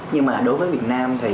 nhưng mà đối với việt nam thì